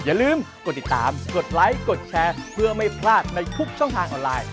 อย่าลืมกดติดตามกดไลค์กดแชร์เพื่อไม่พลาดในทุกช่องทางออนไลน์